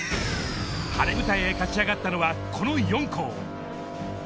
晴れ舞台へ勝ち上がったのは、この４校。